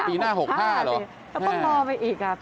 ปีหน้า๖๕โหะต้องรอไว้อีกอ่ะปี๖๕